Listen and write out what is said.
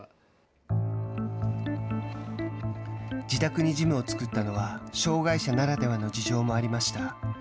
自宅にジムを作ったのは障害者ならではの事情もありました。